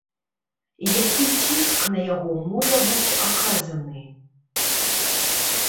Які ціск на яго можа быць аказаны?